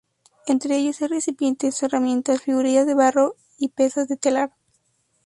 Entre ellos hay recipientes, herramientas, figurillas de barro y pesas de telar.